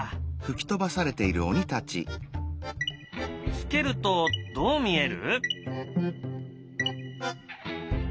付けるとどう見える？